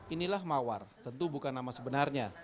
inilah mawar tentu bukan nama sebenarnya